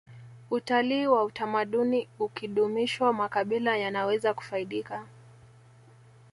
utalii wa utamaduni ukidumishwa makabila yanaweza kufaidika